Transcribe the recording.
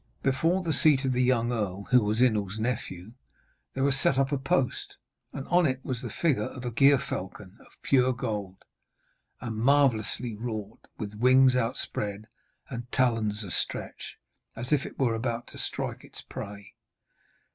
Before the seat of the young earl, who was Inewl's nephew, there was set up a post, and on it was the figure of a gyr falcon, of pure gold, and marvellously wrought, with wings outspread and talons astretch, as if it were about to strike its prey.